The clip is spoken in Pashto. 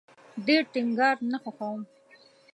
ډیر ټینګار نه خوښوم